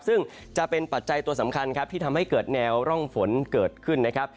ซึ่งจะเป็นปัจจัยตัวสำคัญครับที่ทำให้เกิดแนวร่องฝนเกิดขึ้นนะครับ